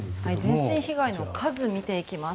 人身被害の数を見ていきます。